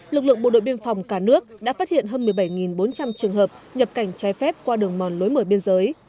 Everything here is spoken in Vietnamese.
lực lượng bộ đội biên phòng cả nước đã phát hiện hơn một mươi bảy bốn trăm linh trường hợp nhập cảnh trái phép qua đường mòn lối mở biên giới